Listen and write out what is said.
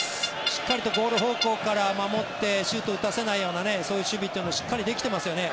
しっかりゴール方向から守ってシュートを打たせないようなそういう守備というのをしっかりできていますよね。